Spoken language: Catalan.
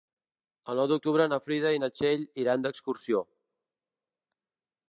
El nou d'octubre na Frida i na Txell iran d'excursió.